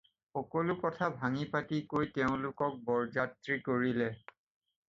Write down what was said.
সকলো কথা ভাঙি-পাতি কৈ তেওঁলোকক বৰযাত্ৰী কৰিলে।